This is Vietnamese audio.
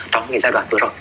trong cái giai đoạn vừa rồi